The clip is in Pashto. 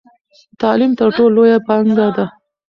تعلیم تر ټولو لویه پانګه ده.